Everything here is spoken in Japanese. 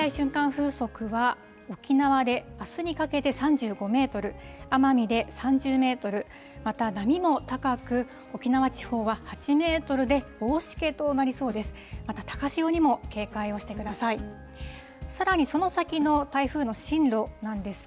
風速は、沖縄であすにかけて３５メートル、奄美で３０メートル、また波も高く、沖縄地方は８メートルで、大しけとなりそうです。